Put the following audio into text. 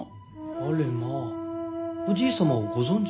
あれまあおじい様をご存じで？